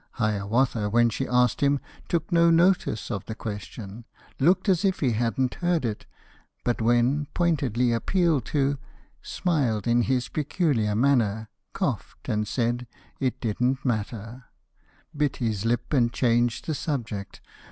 Hiawatha, when she asked him, Took no notice of the question, Looked as if he hadn't heard it; But, when pointedly appealed to, Smiled in his peculiar manner, Coughed and said it 'didn't matter,' Bit his lip and changed the subject.